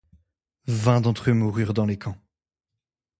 Vingt d'entre eux moururent dans les camps.